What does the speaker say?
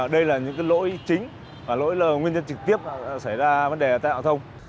đây là những lỗi chính và lỗi nguyên nhân trực tiếp xảy ra vấn đề giao thông